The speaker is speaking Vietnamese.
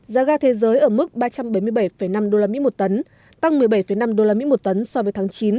giá ga thế giới ở mức ba trăm bảy mươi bảy năm đô la mỹ một tấn tăng một mươi bảy năm đô la mỹ một tấn so với tháng chín